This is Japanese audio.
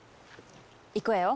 いくわよ。